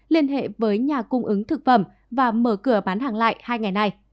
liên hệ với nhà cung ứng thực phẩm và mở cửa bán hàng